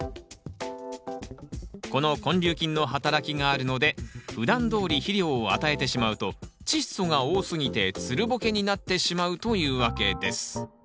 この根粒菌の働きがあるのでふだんどおり肥料を与えてしまうとチッ素が多すぎてつるボケになってしまうというわけです